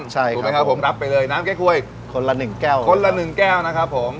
ถูกไหมครับผมรับไปเลยน้ำเก๊กฮวยคนละ๑แก้วนะครับผม